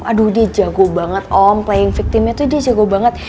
aduh dia jago banget om playing victimnya tuh dia jago banget